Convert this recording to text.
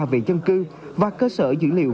về dân cư và cơ sở dữ liệu